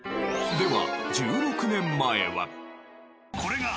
では。